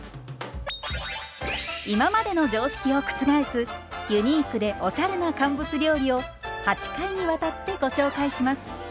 今までの常識を覆すユニークでおしゃれな乾物料理を８回にわたってご紹介します。